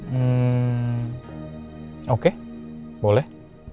hmm oke boleh